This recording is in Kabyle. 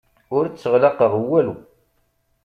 Ur tteɣlaqeɣ walu.